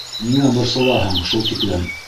Ниңә борсолаһың шул тиклем?